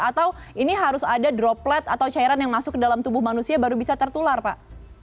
atau ini harus ada droplet atau cairan yang masuk ke dalam tubuh manusia baru bisa tertular pak